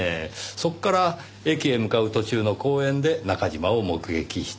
そこから駅へ向かう途中の公園で中嶋を目撃した。